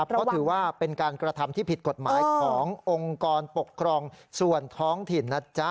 เพราะถือว่าเป็นการกระทำที่ผิดกฎหมายขององค์กรปกครองส่วนท้องถิ่นนะจ๊ะ